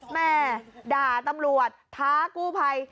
แม่ด่าตำรวจท้ากู้ภัย